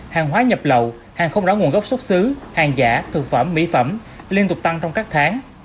hàng hóa nhập lậu hàng không rõ nguồn gốc xuất xứ hàng giả thực phẩm mỹ phẩm liên tục tăng trong các tháng